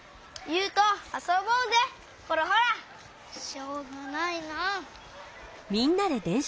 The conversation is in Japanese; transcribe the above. しょうがないなあ。